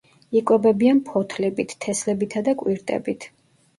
იკვებებიან ფოთლებით, თესლებითა და კვირტებით.